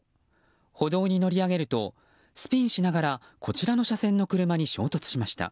歩道に乗り上げるとスピンしながらこちらの車線の車に衝突しました。